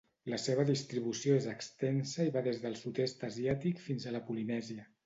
La seva distribució és extensa i va des del sud-est asiàtic fins a la Polinèsia.